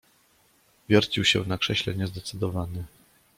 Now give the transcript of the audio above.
"Wiercił się na krześle niezdecydowany."